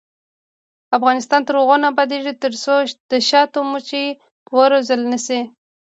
افغانستان تر هغو نه ابادیږي، ترڅو د شاتو مچۍ وروزل نشي.